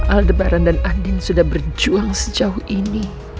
aldebaran dan andin sudah berjuang sejauh ini